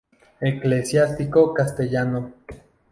Eclesiástico castellano.